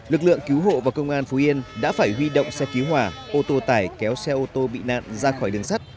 lực lượng cứu hộ và công an phú yên đã phải huy động xe cứu hỏa ô tô tải kéo xe ô tô bị nạn ra khỏi đường sắt